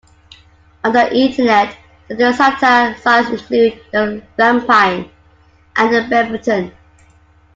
On the Internet, noted satire sites include "The Lapine" and "The Beaverton".